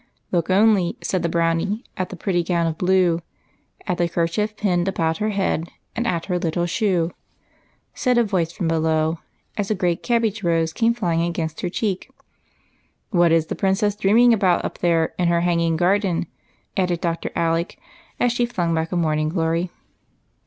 "' Look only/ said the brownie, ' At the pretty gown of blue, At the kerchief pinned about her head, And at her little shoe/ " said a voice from below, as a great cabbage rose came flying against her cheek. " What is the princess dreaming about up there in her hanging garden?" added Dr. Alec as she flung back a morning glory.